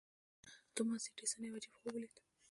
توماس ايډېسن يو عجيب خوب وليد.